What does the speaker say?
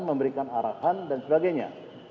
memberikan arahan dan sebagainya